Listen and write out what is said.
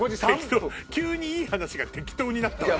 急にいい話が適当になったわよ。